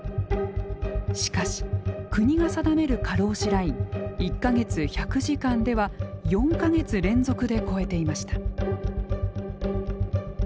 しかし国が定める過労死ライン１か月１００時間では４か月連続で超えていました。